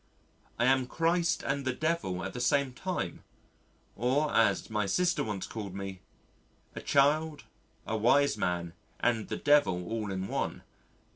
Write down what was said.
I am Christ and the Devil at the same time or as my sister once called me a child, a wise man, and the Devil all in one.